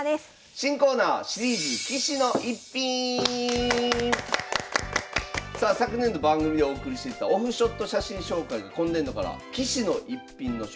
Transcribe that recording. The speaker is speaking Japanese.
新コーナーシリーズさあ昨年度番組でお送りしてきたオフショット写真紹介が今年度から「棋士の逸品」の紹介になります。